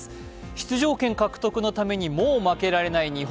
出場権獲得のためにもう負けられない日本。